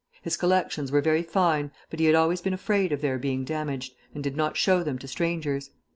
His collections were very fine, but he had always been afraid of their being damaged, and did not show them to strangers.